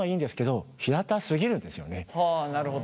はあなるほど。